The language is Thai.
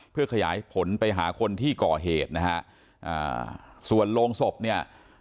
เพื่อขยายผลไปหาคนที่ก่อเหตุนะฮะอ่าส่วนโรงศพเนี่ย